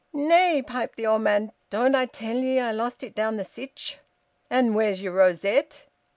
"Nay!" piped the old man. "Don't I tell ye I lost it down th' Sytch!" "And where's yer rosette?"